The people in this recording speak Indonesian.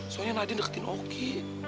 soalnya nadien deketin ogi